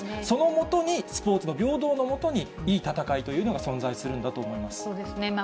そのもとにスポーツの平等の下に、いい戦いというのが存在するんだそうですね。